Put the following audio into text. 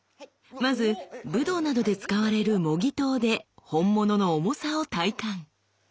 まず武道などで使われる「模擬刀」で本物の重さを体感。